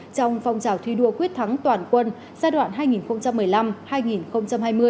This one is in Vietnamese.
trong phong trào thi đua quyết thắng toàn quân giai đoạn hai nghìn một mươi năm hai nghìn hai mươi